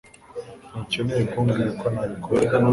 Ntukeneye kumbwira uko nabikora